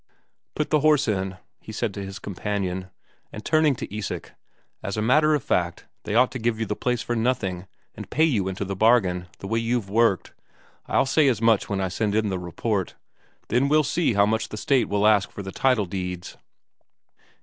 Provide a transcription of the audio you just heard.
"Put the horse in," he said to his companion. And turning to Isak: "As a matter of fact, they ought to give you the place for nothing, and pay you into the bargain, the way you've worked. I'll say as much when I send in the report. Then we'll see how much the State will ask for the title deeds."